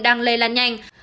đang lây lan nhanh